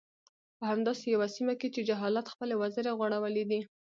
په همداسې يوه سيمه کې چې جهالت خپلې وزرې غوړولي دي.